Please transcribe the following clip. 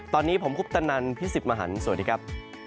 ตอนนี้ผมคุปตนันพี่สิทธิ์มหันฯสวัสดีครับ